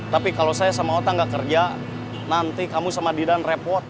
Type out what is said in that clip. tapi kalau saya sama otak gak kerja nanti kamu sama didan repot